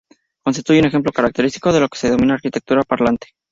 Constituye un ejemplo característico de lo que se denomina arquitectura parlante.